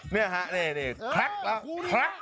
เนี่ยฮะเนี่ยคลักคลัก